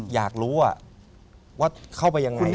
อยากรู้ว่าเข้าไปยังไง